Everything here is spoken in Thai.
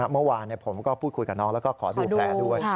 เมื่อวานผมก็พูดคุยกับน้องแล้วก็ขอดูแผลด้วย